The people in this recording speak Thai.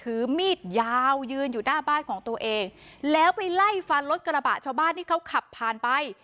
ถือมีดยาวยืนอยู่หน้าบ้านของตัวเองแล้วไปไล่ฟันรถกระบะชาวบ้านที่เขาขับผ่านไป